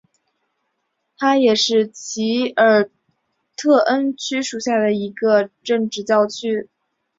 它也是奇尔特恩区属下的一个民政教区。